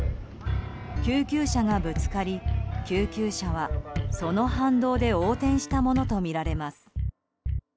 救急車がぶつかり救急車はその反動で横転したものとみられます。